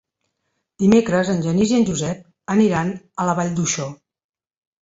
Dimecres en Genís i en Josep aniran a la Vall d'Uixó.